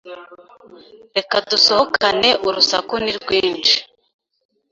Reka dusohokane urusaku nirwinshi